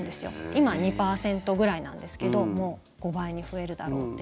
今、２％ぐらいなんですけど５倍に増えるだろうって。